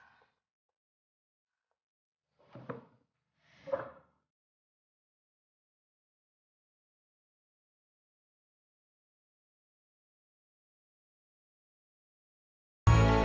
buat apa dibangun nahpil halam